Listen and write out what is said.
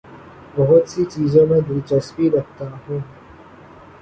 بہت سی چیزوں میں دلچسپی رکھتا ہوں